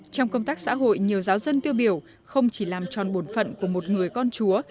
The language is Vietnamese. trong công tác xã hội nhiều giáo dân tiêu biểu không chỉ làm tròn bổn phận của một người con chúa